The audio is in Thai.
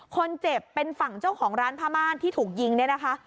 คนเจ็บเป็นฝั่งเจ้าของร้านพม่านที่ถูกยิงเนี่ยนะคะ